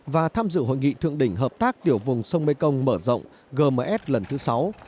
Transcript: và tham dự hội nghị thượng đỉnh hợp tác tiểu vùng sông mekong mở rộng gms lần thứ sáu